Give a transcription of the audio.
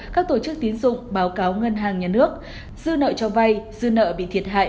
các tổ chức tín dụng báo cáo ngân hàng nhà nước dư nợ cho vay dư nợ bị thiệt hại